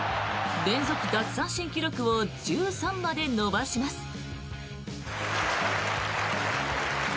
連続奪三振記録を１３まで伸ばします。